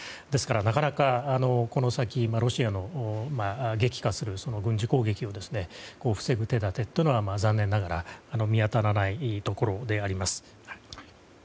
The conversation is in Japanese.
ですから、なかなかこの先ロシアの激化する軍事攻撃を防ぐ手立てというのは残念ながら見当たらないところであります。